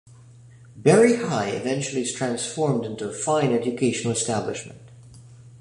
Barry High eventually is transformed into a fine educational establishment.